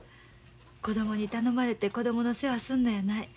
子供に頼まれて子供の世話すんのやない。